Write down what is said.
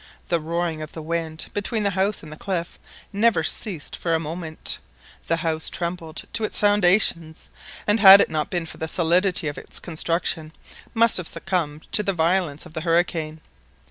The roaring of the wind between the house and the cliff never ceased for a moment, the house trembled to its foundations, and had it not been for the solidity of its construction, must have succumbed to the violence of the hurricane.